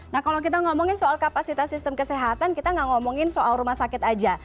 nah kalau kita ngomongin soal kapasitas sistem kesehatan kita nggak ngomongin soal rumah sakit aja